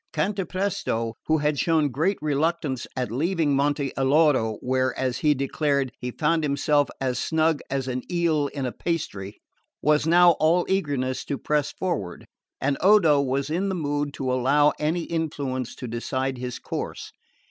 Cantapresto, who had shown great reluctance at leaving Monte Alloro, where, as he declared, he found himself as snug as an eel in a pasty, was now all eagerness to press forward; and Odo was in the mood to allow any influence to decide his course.